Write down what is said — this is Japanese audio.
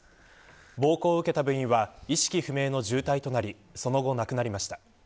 暴行受けた部員は意識不明の重体となりその後、亡くなりました。